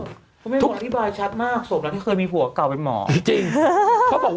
เพราะไม่บอกแล้วที่บายชัดมากที่เคยมีผัวกล่าวเป็นหมอ